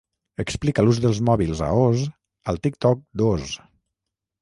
Explica l'ús dels mòbils a Oz al Tik-Tok d'Oz.